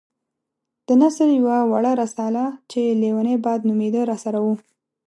د نثر يوه وړه رساله چې ليونی باد نومېده راسره وه.